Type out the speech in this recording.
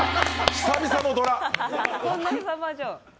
久々のドラ。